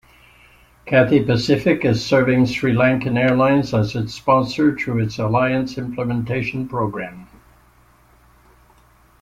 Cathay Pacific is serving SriLankan Airlines as its sponsor through its alliance implementation programme.